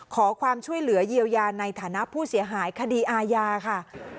ขอความช่วยเหลือเยียวยาในฐานะผู้เสียหายคดีอาญาค่ะ